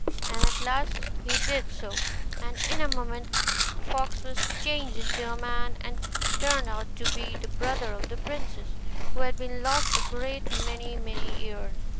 And at last he did so, and in a moment the fox was changed into a man, and turned out to be the brother of the princess, who had been lost a great many many years.